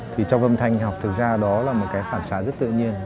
thì trong âm thanh học thực ra đó là một cái phản xá rất tự nhiên